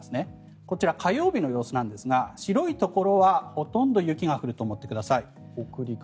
こちら火曜日の様子なんですが白いところはほとんど雪が降ると思ってください。